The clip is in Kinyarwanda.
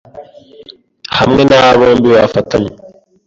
Hamwe naba bombi bafatanye